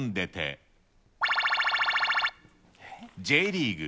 Ｊリーグ